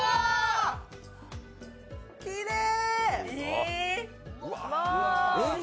きれい！